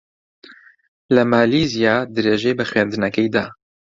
لە مالیزیا درێژەی بە خوێندنەکەی دا.